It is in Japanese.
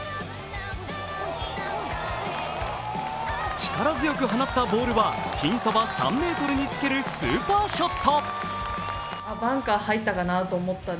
力強く放ったボールはピンそば３ｍにつけるスーパーショット。